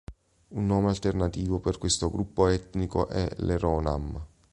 Un nome alternativo per questo gruppo etnico è Le-ro-nam.